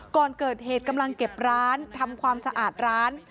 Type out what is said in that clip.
ก่อนเกิดเหตุกำลังเก็บร้านทำความสะอาดร้าน